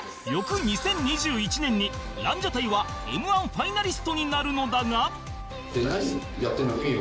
翌２０２１年にランジャタイは Ｍ−１ ファイナリストになるのだが